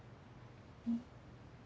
うん。